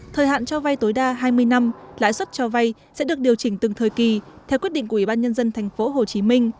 thời hạn cho vay tối đa hai mươi năm lãi suất cho vay sẽ được điều chỉnh từng thời kỳ theo quyết định của ủy ban nhân dân tp hcm